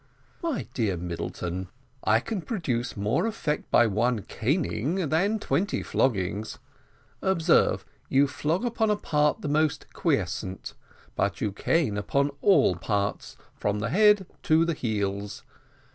"My dear Middleton, I can produce more effect by one caning than twenty floggings. Observe, you flog upon a part for the most part quiescent; but you cane upon all parts, from the head to the heels.